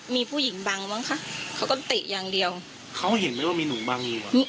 มีผู้หญิงบังมั้งคะเขาก็เตะอย่างเดียวเขาเห็นไหมว่ามีหนูบังอยู่